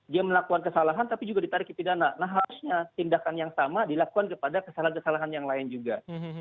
dia melakukan kesalahan tapi juga ditarik ke pidana nah harusnya tindakan yang sama dilakukan kepada kesalahan kesalahan yang lain juga